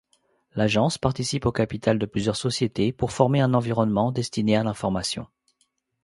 L'agence participe au capital de plusieurs sociétés pour former un environnement destiné à l'information.